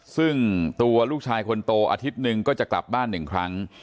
ซึ่งตัวลูกชายคนโตอาทิตย์หนึ่งก็จะกลับบ้านหนึ่งครั้ง